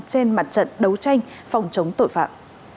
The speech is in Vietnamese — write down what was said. trên mặt trận đấu tranh phòng chống tội phạm